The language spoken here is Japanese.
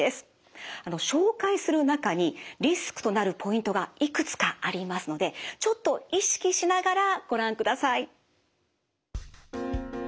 紹介する中にリスクとなるポイントがいくつかありますのでちょっと意識しながらご覧ください。